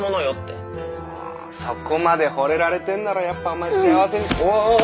ああそこまでほれられてんならやっぱお前幸せに。